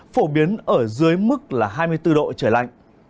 phổ biến ở dưới mức là hai mươi bốn độ trời lạnh